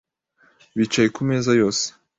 Bicaye ku meza yose .